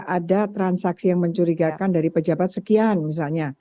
ada transaksi yang mencurigakan dari pejabat sekian misalnya